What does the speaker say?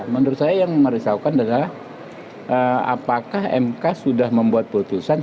menurut saya yang merisaukan adalah apakah mk sudah membuat putusan